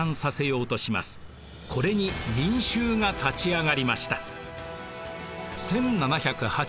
これに民衆が立ち上がりました。